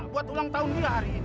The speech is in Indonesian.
buat ulang tahun juga hari ini